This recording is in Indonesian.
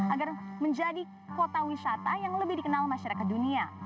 agar menjadi kota wisata yang lebih dikenal masyarakat dunia